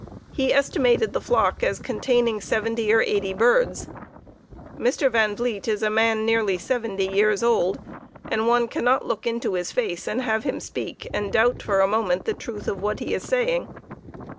He estimated the flock as containing seventy or eighty birds. Mr. Van Vliet is a man nearly seventy years old, and one cannot look into his face and have him speak and doubt for a moment the truth of what he is saying.